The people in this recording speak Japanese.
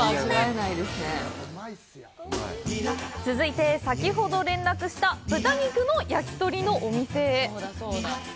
続いて、先ほど連絡した豚肉のやきとりのお店へ。